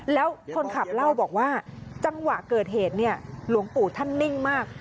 แล้วคนขับเล่าบอกว่าจังหวะเกิดเหตุเนี่ยหลวงปู่ท่านนิ่งมาก